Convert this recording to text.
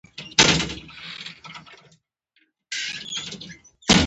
د عوایدو برابري عادلانه ده؟